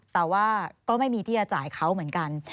แต่ว่าก็ไม่มีที่จะจ่ายเขาเหมือนกัน